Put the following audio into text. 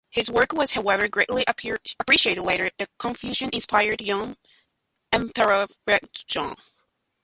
His work was however, greatly appreciated later by the Confucian-inspired Yuan Emperor Renzong.